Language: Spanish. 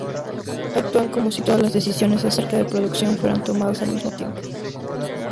Actúan como si todas las decisiones acerca de producción fueran tomadas al mismo tiempo.